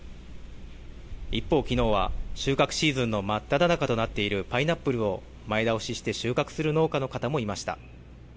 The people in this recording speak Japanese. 一方、きのうは、収穫シーズンの真っただ中となっているパイナップルを前倒しして収穫する農家の方もいました。